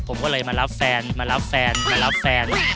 ผมก็เลยมารับแฟนมารับแฟนมารับแฟน